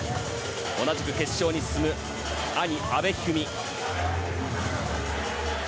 同じく決勝に進む兄・阿部一二三。